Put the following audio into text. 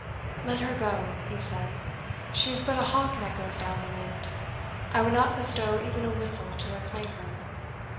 "Let her go," he said; "she is but a hawk that goes down the wind; I would not bestow even a whistle to reclaim her."